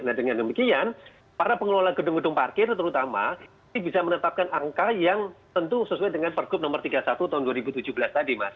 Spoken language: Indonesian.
nah dengan demikian para pengelola gedung gedung parkir terutama ini bisa menetapkan angka yang tentu sesuai dengan pergub nomor tiga puluh satu tahun dua ribu tujuh belas tadi mas